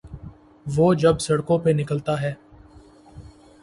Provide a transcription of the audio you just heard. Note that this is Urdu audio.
وہ جب سڑکوں پہ نکلتا ہے۔